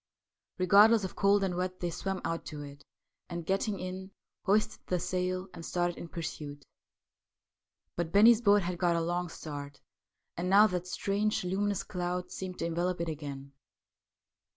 Regardless of cold and wet they swam out to it, and, getting in, hoisted the sail and started in pursuit. But Eennie's boat had got a long start, and now that strange luminous cloud seemed to envelope it again.